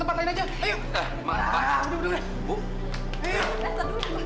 datang dulu pak